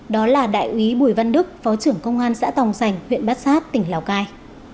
đó là đại úy bùi văn đức phó trưởng công an xã tòng sành huyện bát sát tỉnh lào cai